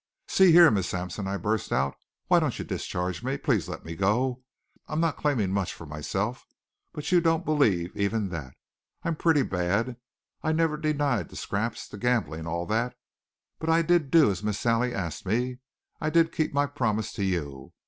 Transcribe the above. "See here, Miss Sampson," I burst out. "Why don't you discharge me? Please let me go. I'm not claiming much for myself, but you don't believe even that. I'm pretty bad. I never denied the scraps, the gambling all that. But I did do as Miss Sally asked me I did keep my promise to you.